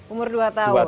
umur dua tahun